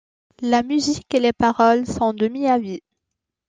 La musique et les paroles sont de Miyavi.